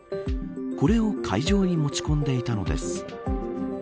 これを会場に持ち込んでいたのです。